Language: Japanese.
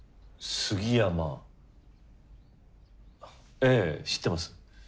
ええ知ってます。